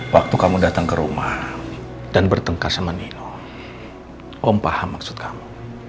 waktu kamu datang ke rumah dan bertengkar sama nino om paham maksud kamu